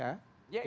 yang punya teori